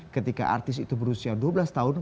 ketika artis itu berusia dua belas tahun